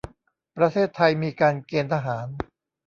ประเทศไทยมีการเกณฑ์ทหาร